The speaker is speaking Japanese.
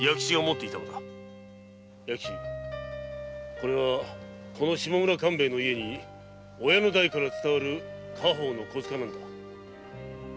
これは下村勘兵衛の家に親の代から伝わる家宝の小柄なのだ。